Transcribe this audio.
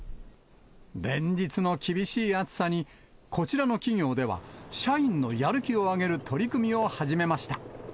連日の厳しい暑さに、こちらの企業では、社員のやる気を上げる取り組みを始めました。